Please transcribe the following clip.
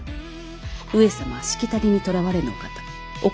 上様はしきたりにとらわれぬお方。